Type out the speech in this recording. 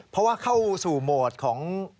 เพราะว่าเข้าสู่โหมดของ